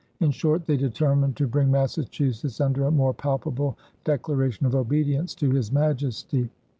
In short, they determined to bring Massachusetts "under a more palpable declaration of obedience to his Majesty."